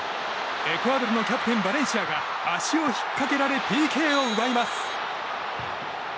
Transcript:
エクアドルのキャプテンバレンシアが足を引っかけられＰＫを奪います。